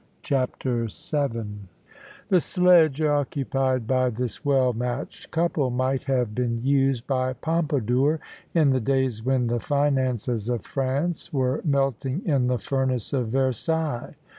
CHAPTER VII The sledge occupied by this well matched couple might have been used by Pompadour, in the days when the finances of France were melting in the furnace of Versailles.